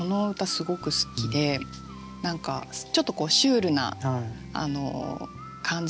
すごく好きでちょっとシュールな感じと